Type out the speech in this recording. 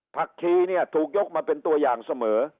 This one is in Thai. ผักชีเนี่ยถูกยกมาเป็นตัวอย่างเสมอ